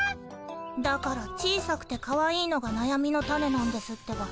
だから小さくてかわいいのがなやみのタネなんですってば。